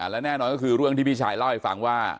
และแน่นอนก็คือเรื่องที่พี่ชายเล่าให้ฟังว่า